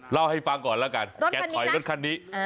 เล่าให้ฟังก่อนแล้วกัน